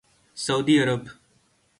سعودی عرب